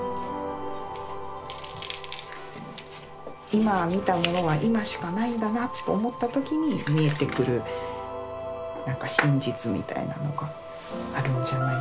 「今見たものは今しかないんだな」と思った時に見えてくるなんか真実みたいなのがあるんじゃないのかなと思っています。